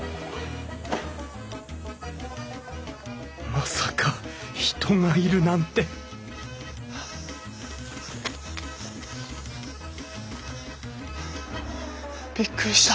まさか人がいるなんてびっくりした。